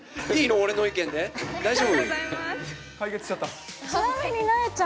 俺の意見で、大丈夫？